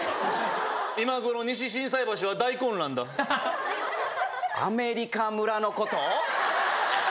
今頃西心斎橋は大混乱だアメリカ村のこと？